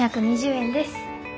４２０円です。